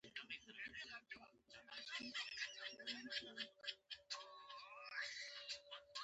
د ژبې له اصلي مرکز څخه لرې والی یو لامل و